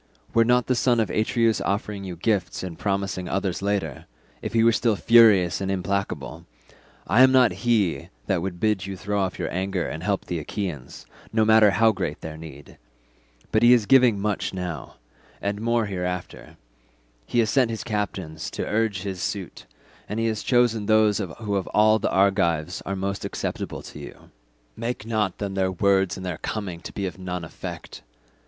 Were not the son of Atreus offering you gifts and promising others later—if he were still furious and implacable—I am not he that would bid you throw off your anger and help the Achaeans, no matter how great their need; but he is giving much now, and more hereafter; he has sent his captains to urge his suit, and has chosen those who of all the Argives are most acceptable to you; make not then their words and their coming to be of none effect.